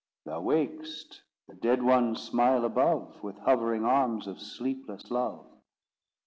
Thou wak'st—the dead ones smile above, With hovering arms of sleepless love.